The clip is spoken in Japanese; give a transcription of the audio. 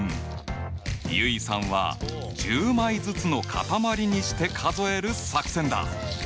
結衣さんは１０枚ずつの塊にして数える作戦だ！